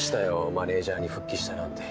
マネジャーに復帰したなんて。